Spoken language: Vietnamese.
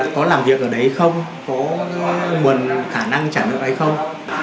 có làm việc ở đấy không có nguồn khả năng trả nợ ở đấy không